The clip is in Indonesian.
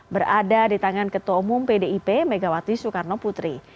berada di tangan ketua umum pdip megawati soekarno putri